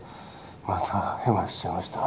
またヘマしちゃいました。